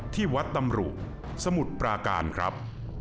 ที่วัดตำรุสมุทรปราการครับ